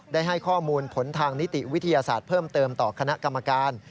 ได้ให้ข้อมูลผลทางนิติวิทยาศาสตร์เพิ่มเติมต่อคณะกรรมการ